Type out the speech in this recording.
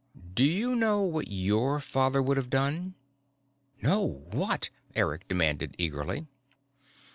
"Do you know what your father would have done?" "No. What?" Eric demanded eagerly.